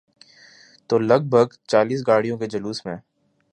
تو لگ بھگ چالیس گاڑیوں کے جلوس میں۔